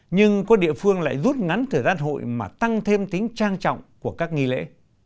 nhưng có địa phương lại rút ngắn thời gian hội mà tăng thêm tính trang trọng của các nghi lễ